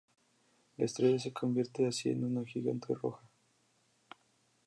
La estrella se convierte así en una gigante roja.